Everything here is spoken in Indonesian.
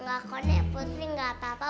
enggak kok nek putri enggak apa apa